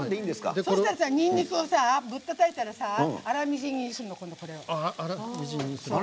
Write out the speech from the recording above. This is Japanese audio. にんにくをぶったたいたら粗みじん切りするの、これ。